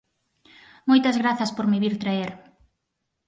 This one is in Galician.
Moitas grazas por me vir traer.